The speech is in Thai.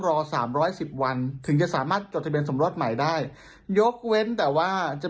สามร้อยสิบวันถึงจะสามารถจดทะเบียนสมรสใหม่ได้ยกเว้นแต่ว่าจะ